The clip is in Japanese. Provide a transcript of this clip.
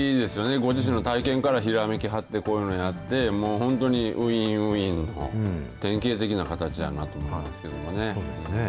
ご自身の体験からひらめきはって、こういうのをやって、もう本当にウィンウィンの典型的な形やなとそうですね。